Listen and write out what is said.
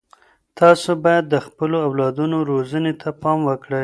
تاسو باید د خپلو اولادونو روزنې ته پام وکړئ.